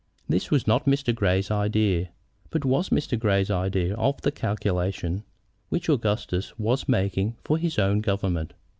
This was not Mr. Grey's idea, but was Mr. Grey's idea of the calculation which Augustus was making for his own government.